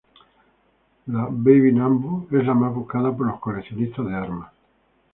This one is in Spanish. La "Baby Nambu" es la más buscada por los coleccionistas de armas.